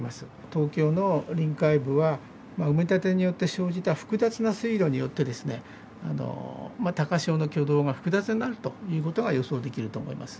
東京の臨海部は、埋め立てによって生じた複雑な水路によって、高潮の挙動が複雑になるということが予想できると思います。